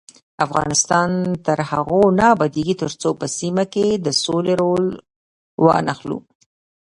افغانستان تر هغو نه ابادیږي، ترڅو په سیمه کې د سولې رول وانخلو.